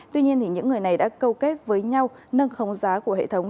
tuy nhiên những người này đã câu kết với nhau nâng khống giá của hệ thống